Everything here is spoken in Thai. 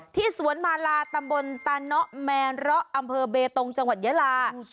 สวนมาลาตำบลตาเนาะแมนเลาะอำเภอเบตงจังหวัดยาลา